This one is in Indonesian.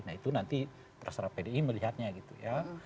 nah itu nanti terserah pdi melihatnya gitu ya